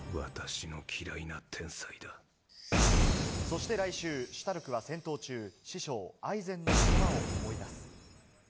そして来週、シュタルクは戦闘中、師匠アイゼンのことばを思い出す。